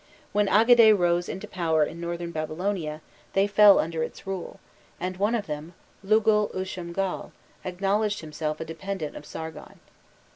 When Agade rose into power in Northern Babylonia, they fell under its rule, and one of them, Lugal ushum gal, acknowledged himself a dependant of Sargon.